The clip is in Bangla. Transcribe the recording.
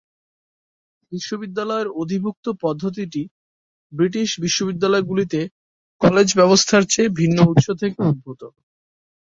বিশ্ববিদ্যালয়ের অধিভুক্ত পদ্ধতিটি ব্রিটিশ বিশ্ববিদ্যালয়গুলিতে কলেজ ব্যবস্থার চেয়ে ভিন্ন উৎস থেকে উদ্ভূত।